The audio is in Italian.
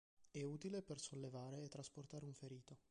È utile per sollevare e trasportare un ferito.